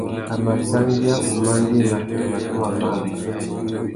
A mà dangüia wumandēna matuwa mâā.